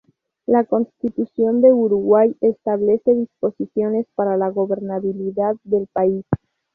La Constitución de Uruguay establece disposiciones para la gobernabilidad del país.